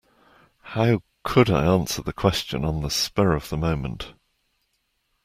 How could I answer the question on the spur of the moment.